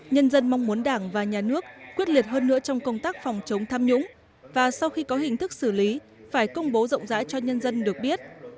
nhân dân mong muốn đảng và nhà nước quyết liệt hơn nữa trong công tác phòng chống tham nhũng và sau khi có hình thức xử lý phải công bố rộng rãi cho nhân dân được biết